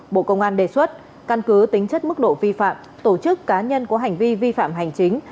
bộ công an đề xuất căn cứ tính chất mức độ vi phạm tổ chức cá nhân có hành vi vi phạm hành chính